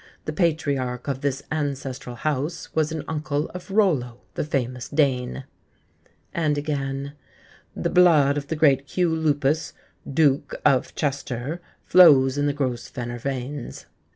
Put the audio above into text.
The patriarch of this ancestral house was an uncle of Rollo, the famous Dane...." And again: "The blood of the great Hugh Lupus, Duke of Chester, flows in the Grosvenor veins."